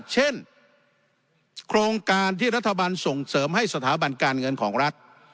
เช่นโครงการที่รัฐบาลส่งเสริมให้สถาบันการเงินของรัฐ